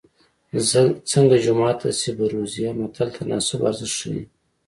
څنګه جومات هسې بروزې متل د تناسب ارزښت ښيي